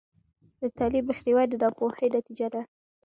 د تعلیم مخنیوی د ناپوهۍ نتیجه ده.